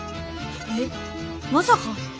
えっまさか。